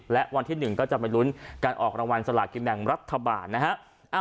และวันที่๑ก็จะไปลุ้นการออกรางวัลสลากินแบ่งรัฐบาลนะฮะ